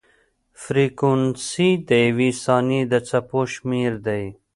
فریکونسي د یوې ثانیې د څپو شمېر دی.